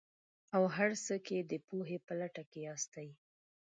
او هر څه کې د پوهې په لټه کې ياستئ.